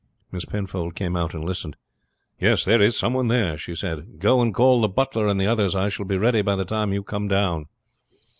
Miss Penfold came out and listened. "Yes, there is some one there," she said. "Go and call the butler and the others. I shall be ready by the time you come down."